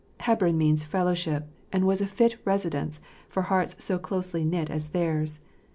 Hebron means fellowship,* and was a fitting residence for hearts so closely knit as theirs.